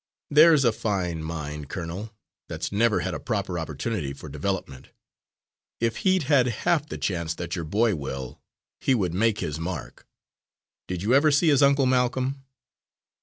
There's a fine mind, colonel, that's never had a proper opportunity for development. If he'd had half the chance that your boy will, he would make his mark. Did you ever see his uncle Malcolm?"